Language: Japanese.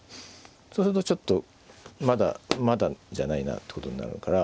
そうするとちょっとまだじゃないなってことになるから。